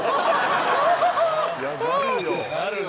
なるよ。